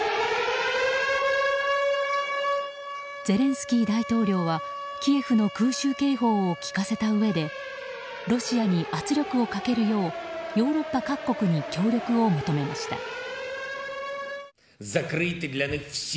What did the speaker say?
ゼレンスキー大統領はキエフの空襲警報を聞かせたうえでロシアに圧力をかけるようヨーロッパ各国に協力を求めました。